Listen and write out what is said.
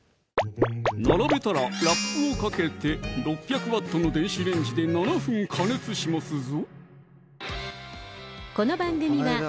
並べたらラップをかけて６００Ｗの電子レンジで７分加熱しますぞ